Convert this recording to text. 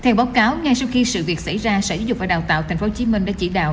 theo báo cáo ngay sau khi sự việc xảy ra sở giáo dục và đào tạo tp hcm đã chỉ đạo